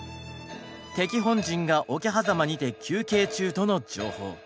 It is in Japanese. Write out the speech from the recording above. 「敵本陣が桶狭間にて休憩中」との情報。